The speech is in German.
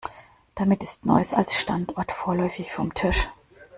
Damit ist Neuss als Standort vorläufig vom Tisch.